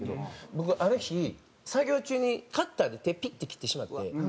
僕ある日作業中にカッターで手ピッて切ってしまって。